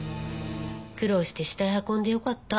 苦労して死体運んでよかった。